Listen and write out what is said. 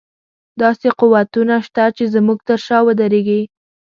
داسې قوتونه شته چې زموږ تر شا ودرېږي.